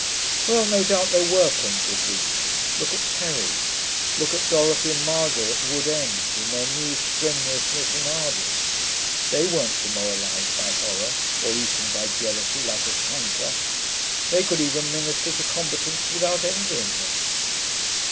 Well, no doubt there were plenty of these. Look at Terry. Look at Dorothy and Margot at Wood End, in their new strenuousness and ardours. They weren't demoralised by horror, or eaten by jealousy like a canker. They could even minister to combatants without envying them....